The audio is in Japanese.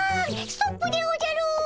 ストップでおじゃる！